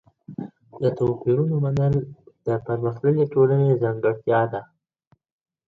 د توپیرونو منل د پرمختللې ټولني ځانګړتیا ده.